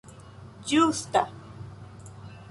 ĝusta